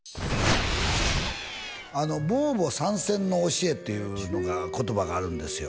あの孟母三遷の教えっていうのが言葉があるんですよ